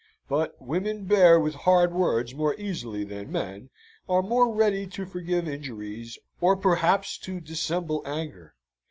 But women bear with hard words more easily than men, are more ready to forgive injuries, or, perhaps, to dissemble anger.